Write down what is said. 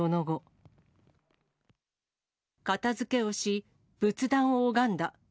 片づけをし、仏壇を拝んだ。